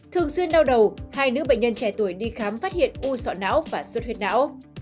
thường xuyên đau đầu hai nữ bệnh nhân trẻ tuổi đi khám phát hiện u sọ não và suốt huyết não